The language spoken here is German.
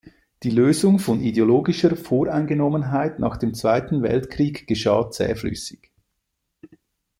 Die Lösung von ideologischer Voreingenommenheit nach dem Zweiten Weltkrieg geschah zähflüssig.